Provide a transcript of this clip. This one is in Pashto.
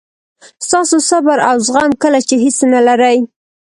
ستاسو صبر او زغم کله چې هیڅ نه لرئ.